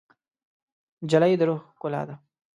نجلۍ د روح ښکلا ده.